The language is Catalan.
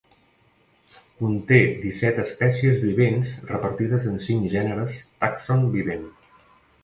Conté disset espècies vivents repartides en cinc gèneres tàxon vivent.